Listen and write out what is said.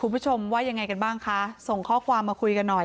เป็นไงบ้างคะส่งข้อความมาคุยกันหน่อย